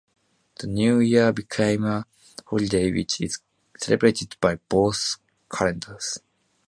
The New Year became a holiday which is celebrated by both calendars.